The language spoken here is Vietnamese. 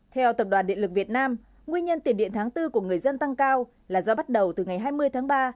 theo tập đoàn điện lực việt nam nguyên nhân tiền điện tháng bốn của người dân tăng cao là do bắt đầu từ ngày hai mươi tháng ba